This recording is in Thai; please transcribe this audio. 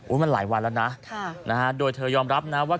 มันหลายวันแล้วนะโดยเธอยอมรับนะว่า